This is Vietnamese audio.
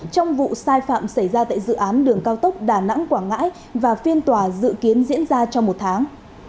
trong vụ sai phạm xảy ra tại dự án đường cao tốc đà nẵng quảng ngãi và phiên tòa dự kiến diễn ra trong một tháng